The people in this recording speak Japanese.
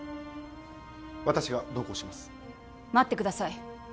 私が同行します待ってください